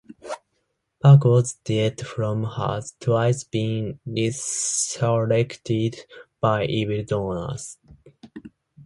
Paco's dead form has twice been resurrected by evil-doers.